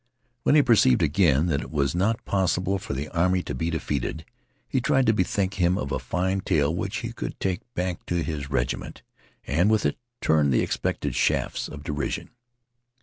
When he perceived again that it was not possible for the army to be defeated, he tried to bethink him of a fine tale which he could take back to his regiment, and with it turn the expected shafts of derision.